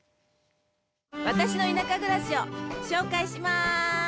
私の田舎暮らしを紹介しまーす！